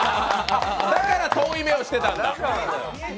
だから遠い目をしてたんだ。